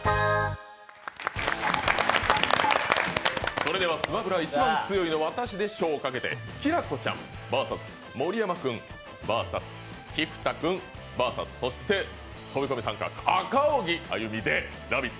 それでは「スマブラ」一番強いの私で賞をかけて、きらこちゃんＶＳ盛山君ＶＳ菊田君ＶＳ飛び込み参加・赤荻歩で「ラヴィット！」